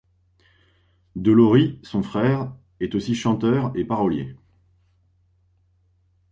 De Lory son frère est aussi chanteur et parolier.